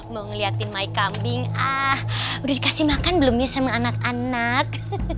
mau ngeliatin my kambing ah udah dikasih makan belum nih sama anak anak